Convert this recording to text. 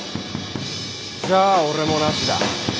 じゃあ俺もなしだ。